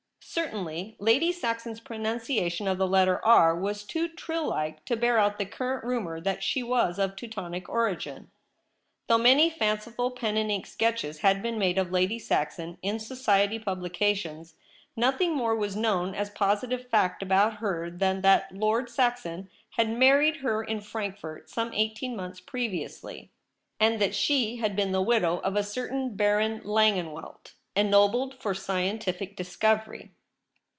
Certainly Lady Saxon's pronunciation of the letter ' r ' was too trill like to bear out the current rumour that she was of Teutonic origin. Though many fanci ful pen and ink sketches had been made of Lady Saxon in ' society ' publications, nothing more was known as positive fact about her than that Lord Saxon had married her in Frankfort some eighteen months previously, and that she had been the widow of a certain Baron Langenw^elt, ennobled for scientific discovery.